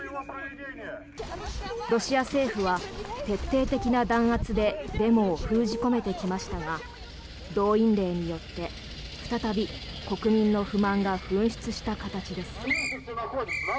ロシア政府は徹底的な弾圧でデモを封じ込めてきましたが動員令によって再び国民の不満が噴出した形です。